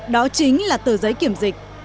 đó chính là tờ giấy kiểm dịch